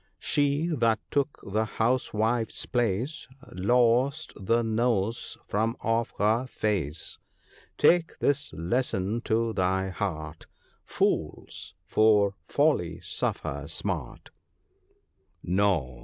She that took the House wife's place Lost the nose from off her face. Take this lesson to thy heart — Fools for folly suffer smart." ' No !